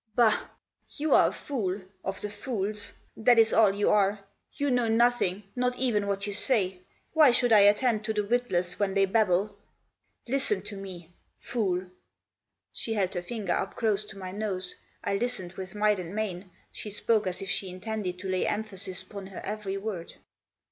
" Bah ! You are a fool— of the fools ! That is all you are. You know nothing, not even what you say. Why should I attend to the witless when they babble? Listen to me — fool 1 " She held her finger up close to my nose. I listened with might and main. She spoke as if she intended to lay emphasis upon her every word.